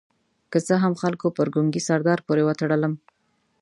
که څه هم خلکو پر ګونګي سردار پورې وتړلم.